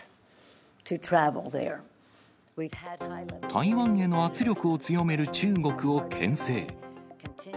台湾への圧力を強める中国をけん制。